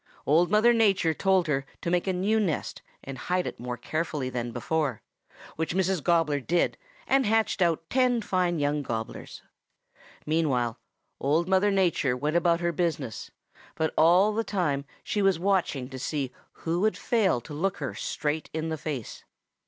Old Mother Nature told her to make a new nest and hide it more carefully than before, which Mrs. Gobbler did and hatched out ten fine young Gobblers. Meanwhile Old Mother Nature went about her business, but all the time she was watching to see who would fail to look her straight in the face.